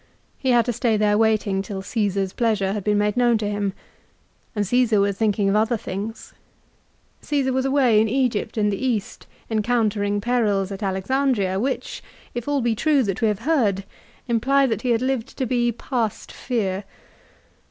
He had to stay there waiting till Caesar's pleasure had been made known to him, and Csesar was thinking of other things. Csesar was away in Egypt and the East, encountering perils at Alexandria which, if all be true that we have heard, AFTER THE BATTLE. 153 imply that he had lived to be past fear.